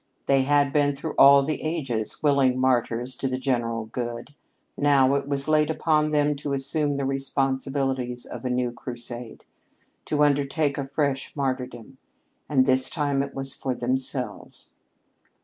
They had been, through all the ages, willing martyrs to the general good. Now it was laid upon them to assume the responsibilities of a new crusade, to undertake a fresh martyrdom, and this time it was for themselves.